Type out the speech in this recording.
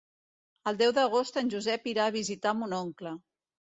El deu d'agost en Josep irà a visitar mon oncle.